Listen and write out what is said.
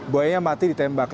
buayanya mati ditembak